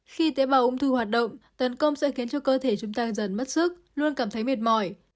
khi tế bào ung thư hoạt động tấn công sẽ khiến cho cơ thể chúng ta dần mất sức luôn cảm thấy mệt mỏi